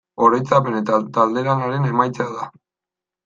Oroitzapen eta talde-lanaren emaitza da.